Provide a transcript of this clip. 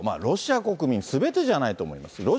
ロシア国民すべてじゃないと思います。